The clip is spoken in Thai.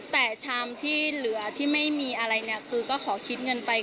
แต่ชามที่เหลือที่ไม่มีอะไรเนี่ยคือก็ขอคิดเงินไป